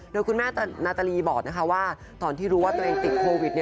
โดยคุณแม่นาตาลีบอกว่าตอนที่รู้ว่าตัวเองติดโควิด